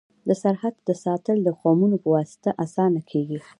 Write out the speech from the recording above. د سرحد ساتل د قومونو په واسطه اسانه کيږي.